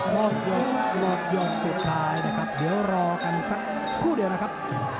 หมดยกหมดยกสุดท้ายนะครับเดี๋ยวรอกันสักครู่เดียวนะครับ